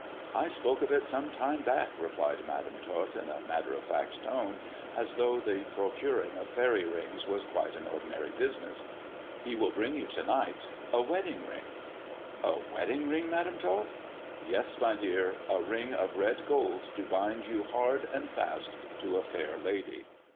" I spoke of it some time back," replied Madam Tot in a matter of fact tone, as though the procuring of faery rings was quite an ordinary business; " he will bring you to night —a wedding ring !"" A wedding ring, Madam Tot ]"Yes, my dear ! A ring of red gold to bind you hard and fast to a fair lady."